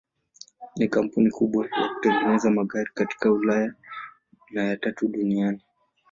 Ni kampuni kubwa ya kutengeneza magari katika Ulaya na ya tatu duniani.